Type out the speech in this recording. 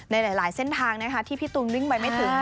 ในหลายเส้นทางนะคะที่พี่ตูนวิ่งไปไม่ถึง